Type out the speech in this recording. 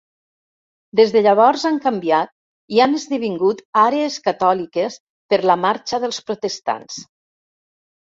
Des de llavors han canviat i han esdevingut àrees catòliques per la marxa dels protestants.